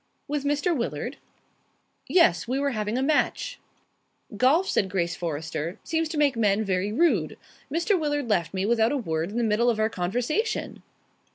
"With Mr. Willard?" "Yes. We were having a match." "Golf," said Grace Forrester, "seems to make men very rude. Mr. Willard left me without a word in the middle of our conversation."